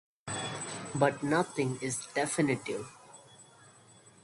But nothing is definitive.